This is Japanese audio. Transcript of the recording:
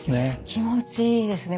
気持ちいいですねこれ。